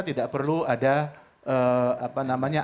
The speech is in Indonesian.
tidak perlu ada